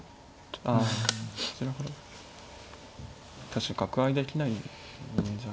確かに角合いできないんじゃ。